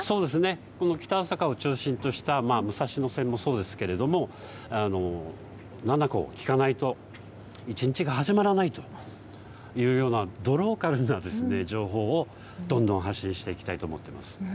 この北朝霞を中心とした武蔵野線もそうですが７７５を聞かないと一日が始まらないというような情報を発信していきたいと思っています。